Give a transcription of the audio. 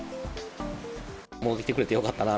戻ってきてくれてよかったな。